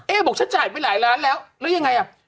บอกฉันจ่ายไปหลายล้านแล้วแล้วยังไงอ่ะ